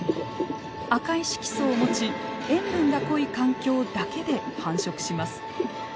赤い色素を持ち塩分が濃い環境だけで繁殖します。